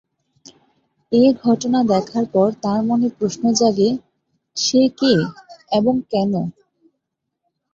এ ঘটনা দেখার পর তার মনে প্রশ্ন জাগে, সে কে এবং কেন?